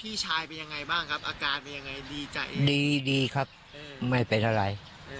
พี่ชายเป็นยังไงบ้างครับอาการเป็นยังไงดีใจดีดีครับไม่เป็นอะไร